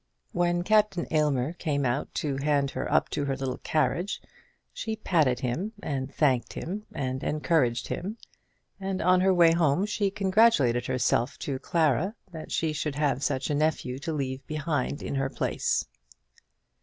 When Captain Aylmer came out to hand her up to her little carriage, she patted him, and thanked him, and encouraged him; and on her way home she congratulated herself to Clara that she should have such a nephew to leave behind her in her place.